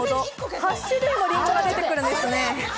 ８種類のりんごが出てくるんですよね。